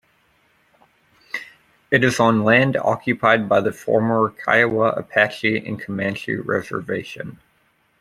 It is on land occupied by the former Kiowa, Apache, and Comanche Reservation.